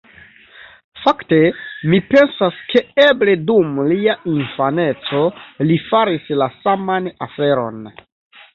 Fakte mi pensas, ke eble dum lia infaneco li faris la saman aferon.